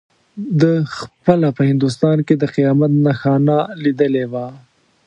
ده خپله په هندوستان کې د قیامت نښانه لیدلې وه.